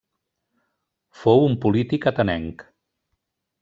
Fou un polític atenenc.